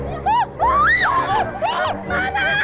gina bobby udah siap nih